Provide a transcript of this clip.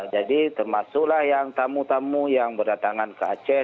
jadi termasuklah yang tamu tamu yang berdatangan ke aceh